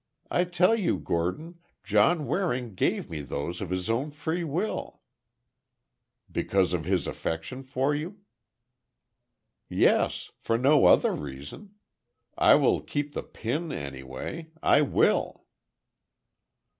I tell you, Gordon, John Waring gave me those of his own free will—" "Because of his affection for you?" "Yes; for no other reason! I will keep the pin, anyway—I will!"